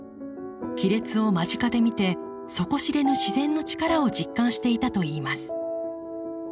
亀裂を間近で見て底知れぬ自然の力を実感していたといいます。